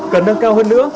cần năng cao hơn nữa